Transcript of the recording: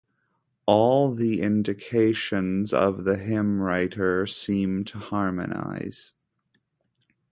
All the indications of the hymn-writer seem to harmonize.